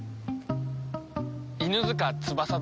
犬塚翼だ。